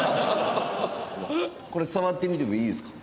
これ触ってみてもいいですか？